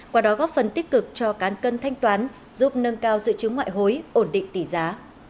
qua đó góp phần tích cực cho cán cân thanh toán giúp nâng cao dự trữ ngoại hối ổn định tỷ giá